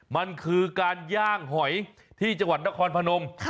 มันคือการย่างหอยที่จังหวัดนครพนม